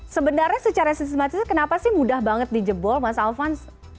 sebenarnya secara sistematis kenapa sih mudah banget di jebol mas alvan